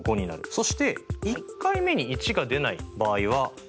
そして１回目に１が出ない場合は×。